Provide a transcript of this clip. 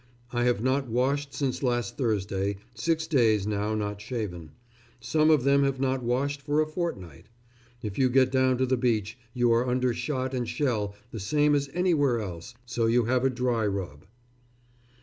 I have not washed since last Thursday, six days now not shaven. Some of them have not washed for a fortnight. If you get down to the beach you are under shot and shell the same as anywhere else, so you have a dry rub.